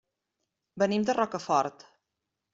Venim de Rocafort.